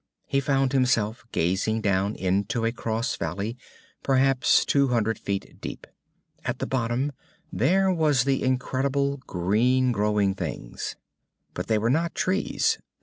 He found himself gazing down into a crossvalley perhaps two hundred feet deep. At the bottom there was the incredible, green growing things. But they were not trees.